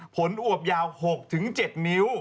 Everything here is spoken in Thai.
อวบยาว๖๗นิ้ว